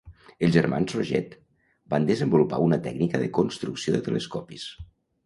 Els germans Roget van desenvolupar una tècnica de construcció de telescopis.